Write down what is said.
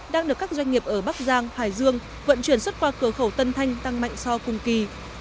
đang được các doanh nghiệp ở bắc giang hải dương vận chuyển xuất qua cửa khẩu tân thanh tăng mạnh so cùng kỳ